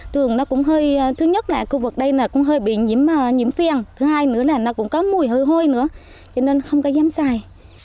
thứ nhất là khu vực đây cũng hơi bị nhiễm phiền thứ hai nữa là nó cũng có mùi hơi hôi nữa cho nên không có dám xài